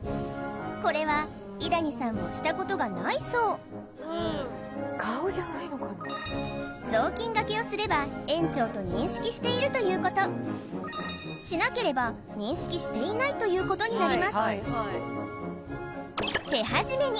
これは伊谷さんもしたことがないそう雑巾がけをすれば園長と認識しているということしなければ認識していないということになります